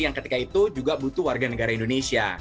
yang ketika itu juga butuh warga negara indonesia